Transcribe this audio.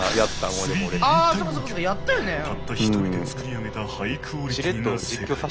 たった一人で作り上げたハイクオリティーな世界。